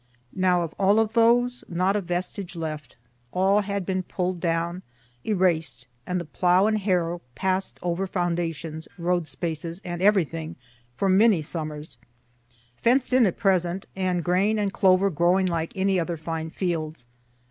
Now of all those not a vestige left; all had been pull'd down, erased, and the plough and harrow pass'd over foundations, road spaces and everything, for many summers; fenced in at present, and grain and clover growing like any other fine fields.